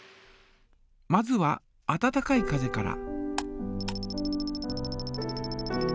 まずは温かい風から。